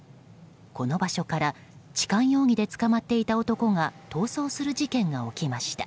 この場所から痴漢容疑で捕まっていた男が逃走する事件が起きました。